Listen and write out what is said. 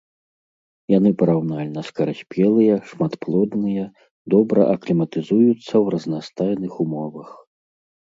Яны параўнальна скараспелыя, шматплодныя, добра акліматызуюцца ў разнастайных умовах.